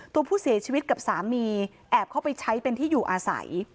ตัวผู้เสียชีวิตกับสามีแอบเข้าไปใช้เป็นที่อยู่อาศัย